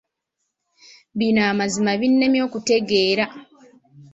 Bino amazima binnemye okutegeera.